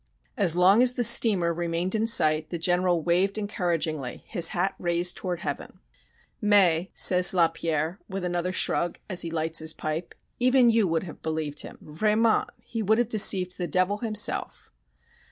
As long as the steamer remained in sight the General waved encouragingly, his hat raised toward Heaven. "Mais," says Lapierre, with another shrug as he lights his pipe, "even you would have believed him. Vraiment! He would have deceived the devil himself!"